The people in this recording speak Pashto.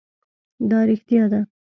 دا رښتیا ده.